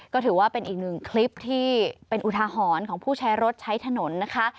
ก็ถือว่าเป็นอีกหนึ่งคลิปที่เป็นอุทาหรณ์ของผู้ใช้รถใช้ถนนนะคะ